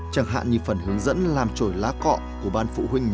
chẳng hạn như phần hướng dẫn làm trổi lá cọ của ban phụ huynh nhà trị